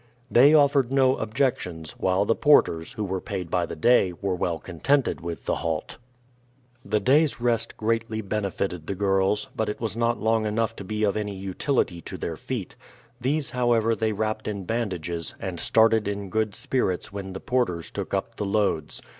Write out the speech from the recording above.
They offered no objections, while the porters, who were paid by the day, were well contented with the halt. The day's rest greatly benefited the girls, but it was not long enough to be of any utility to their feet; these, however, they wrapped in bandages, and started in good spirits when the porters took up the loads.